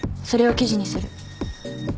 それを記事にする。